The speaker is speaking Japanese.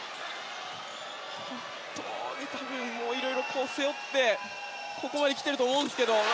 本当にいろいろ背負ってここまで来ていると思うんですけど。